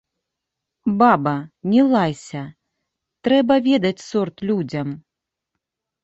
Баба, не лайся, трэба ведаць сорт людзям.